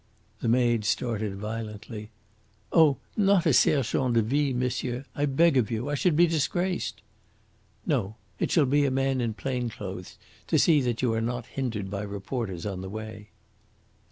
The maid started violently. "Oh, not a sergent de ville, monsieur, I beg of you. I should be disgraced." "No. It shall be a man in plain clothes, to see that you are not hindered by reporters on the way."